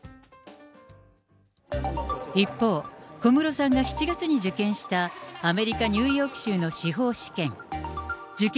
一方、小室さんが７月に受験した、アメリカ・ニューヨーク州の司法試験。